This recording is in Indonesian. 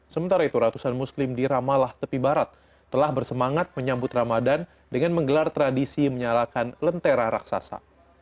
sementara itu ratusan muslim di ramalah tepi barat telah bersemangat menyambut ramadan dengan menggelar tradisi menyalakan lentera raksasa